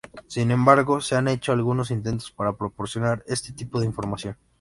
Sin embargo, se han hecho algunos intentos para proporcionar este tipo de información.